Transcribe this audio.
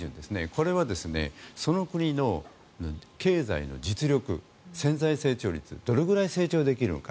これはその国の経済の実力潜在成長率どれくらい成長できるのか。